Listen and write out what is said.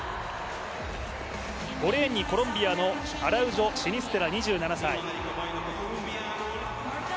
５レーンにコロンビアのアラウジョシニステラ２７歳。